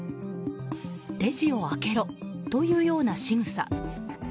レジを開けろ！というようなしぐさ。